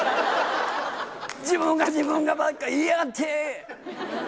自分が自分がばっか言いやがって。